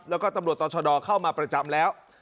แล้วก็ตำรวจต่อชะดอเข้ามาประจำแล้ว